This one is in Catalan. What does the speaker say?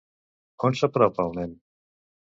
On s'apropa el nen?